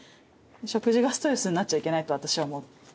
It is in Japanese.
食事がストレスになっちゃいけないと私は思う。